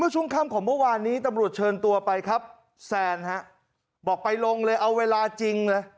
ช่วงคำของเมื่อวานตำรวจเชิญตัวไปแซนบอกไปลงเลยเอาเวลาจริง